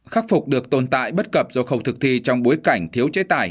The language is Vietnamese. khắc phục được tồn tại bất cập do khẩu thực thi trong bối cảnh thiếu chế tải